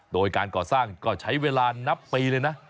โดยการก่อสร้างก็ใช้เวลานับปีเลยนะ